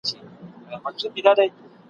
چي ماشوم وم را ته مور کیسه کوله ..